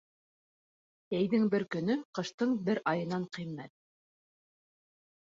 Йәйҙең бер көнө ҡыштың бер айынан ҡиммәт.